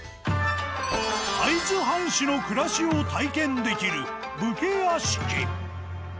会津藩士の暮らしを体験できる武家屋敷。